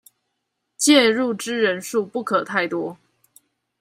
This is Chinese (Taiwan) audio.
介入之人數不可太多